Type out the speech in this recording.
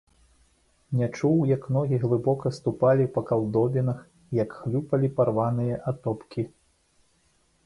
Не чуў, як ногі глыбока ступалі па калдобінах, як хлюпалі парваныя атопкі.